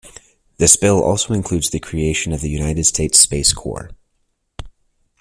This bill also includes the creation of the United States Space Corps.